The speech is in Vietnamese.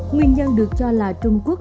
nguyên nhân được cho là trung quốc